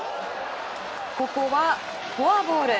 ここは、フォアボール。